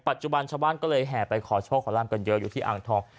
ชาวบ้านก็เลยแห่ไปขอโชคขอลาบกันเยอะอยู่ที่อ่างทอง